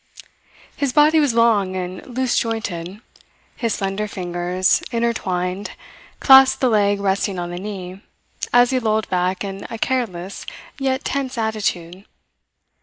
His body was long and loose jointed, his slender fingers, intertwined, clasped the leg resting on the knee, as he lolled back in a careless yet tense attitude.